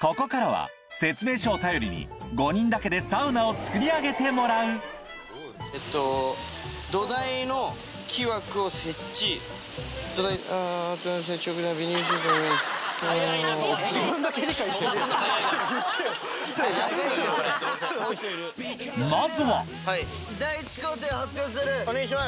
ここからは説明書を頼りに５人だけでサウナを作り上げてもらうまずはお願いします！